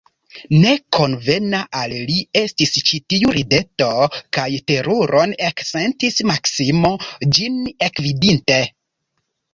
Ne konvena al li estis ĉi tiu rideto, kaj teruron eksentis Maksimo, ĝin ekvidinte.